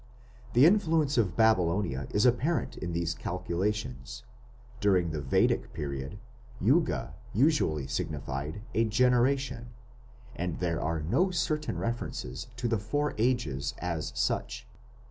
The influence of Babylonia is apparent in these calculations. During the Vedic period "Yuga" usually signified a "generation", and there are no certain references to the four Ages as such.